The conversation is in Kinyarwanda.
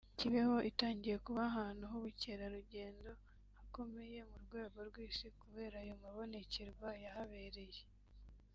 Kibeho itangiye kuba ahantu h’ubukerarugendo hakomeye mu rwego rw’isi kubera ayo mabonekerwa yahabereye